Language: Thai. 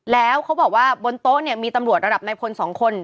แล้วเขาบอกว่าบนโต๊ะเนี่ยมีตำรวจระดับนายพล๒คน